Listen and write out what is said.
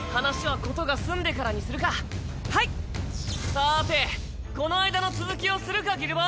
さてこの間の続きをするかギル坊。